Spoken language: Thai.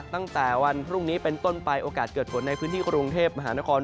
ตั้งแต่วันพรุ่งนี้เป็นต้นไปโอกาสเกิดฝนในพื้นที่กรุงเทพมหานคร